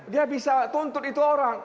dia bisa tuntut itu orang